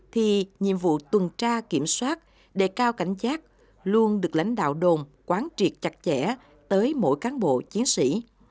thì nhiệm vụ tuần tra kiểm soát đề cao cảnh giác luôn được lãnh đạo đồn quán triệt chặt chẽ tới mỗi cán bộ chiến sĩ